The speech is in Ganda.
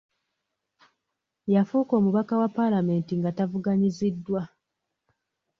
Yafuuka omubaka wa paalamenti nga tavuganyiziddwa.